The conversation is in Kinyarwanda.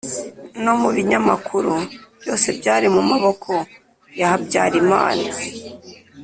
no mu binyamakuru byose byari mu maboko ya habyarimana